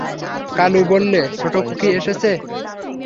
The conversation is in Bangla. কালু বললে, ছোটোখুকি, এসেছ?